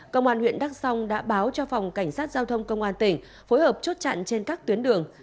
công an huyện đắk song đã báo cho phòng cảnh sát giao thông công an tỉnh phối hợp chốt chặn trên các tuyến đường